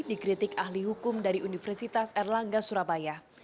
dikritik ahli hukum dari universitas erlangga surabaya